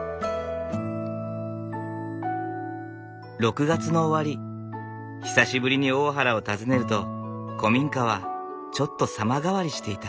６月の終わり久しぶりに大原を訪ねると古民家はちょっと様変わりしていた。